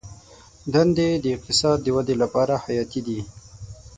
دندې د اقتصاد د ودې لپاره حیاتي دي.